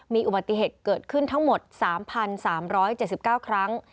มีอุบัติเหตุเกิดขึ้นทั้งหมด๓๓๗๙ครั้ง